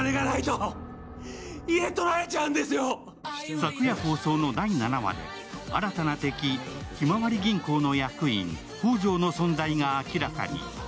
昨夜放送の第７話で新たな敵、ひまわり銀行の役員宝条の存在が明らかに。